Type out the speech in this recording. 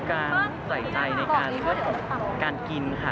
การใส่ใจในการกินค่ะ